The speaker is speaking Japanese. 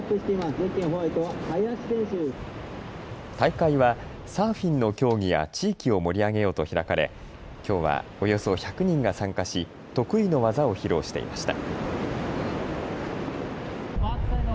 大会はサーフィンの競技や地域を盛り上げようと開かれ、きょうはおよそ１００人が参加し得意の技を披露していました。